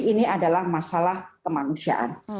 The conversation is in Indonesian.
ini adalah masalah kemanusiaan